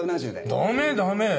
ダメダメ！